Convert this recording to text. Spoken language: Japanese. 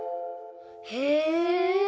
へえ！